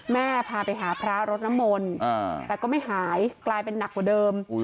พาไปหาพระรดน้ำมนต์แต่ก็ไม่หายกลายเป็นหนักกว่าเดิม